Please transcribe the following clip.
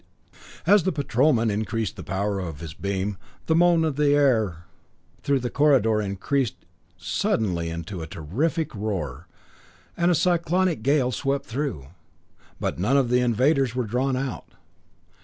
As the Patrolman increased the power of his beam, the moan of the air through the corridor increased suddenly to a terrific roar, and a cyclonic gale swept through. But none of the invaders were drawn out.